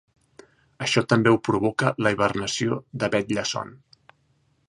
Això també ho provoca la hibernació de vetlla-son.